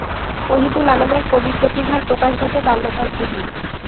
ওহীদুল আলমের কবি-প্রতিভার প্রকাশ ঘটে বাল্যকাল থেকেই।